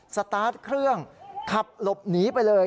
สตาร์ทเครื่องขับหลบหนีไปเลย